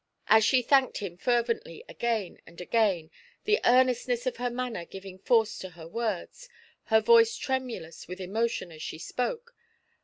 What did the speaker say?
As she thanked him fervently again and again, the earnestness of her manner giving force to her words, her voice tremulous with emotion as she spake.